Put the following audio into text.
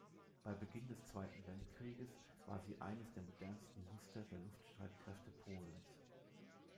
Bei Beginn des Zweiten Weltkrieges war sie eines der modernsten Muster der Luftstreitkräfte Polens.